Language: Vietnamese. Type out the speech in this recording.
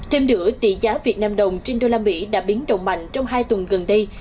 thêm nữa tỷ giá việt nam đồng trên usd đã biến động mạnh trong hai tuần gần đây